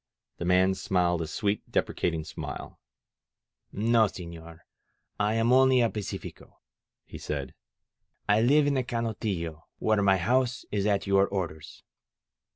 The man smiled a sweet, deprecating smile. "No, sefilor, I am only a pacifico," he said. *^I live in the Canotillo, where my house is at your orders.